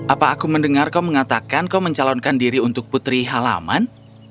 apa aku mendengar kau mengatakan kau mencalonkan diri untuk putri halaman